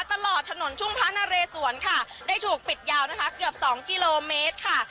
ตลอดถนนทุ่งพระนเรสวนค่ะได้ถูกปิดยาวนะคะเกือบสองกิโลเมตรค่ะ